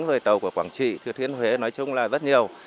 rồi tàu của quảng trị thừa thiên huế nói chung là rất nhiều